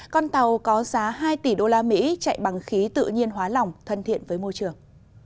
con tàu có giá hai tỷ đô la mỹ chạy bằng khí tự nhiên hóa lỏng thân thiện với môi trường